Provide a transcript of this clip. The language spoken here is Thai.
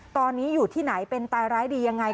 ตอนนี้อยู่ที่ไหนเป็นตายร้ายดียังไง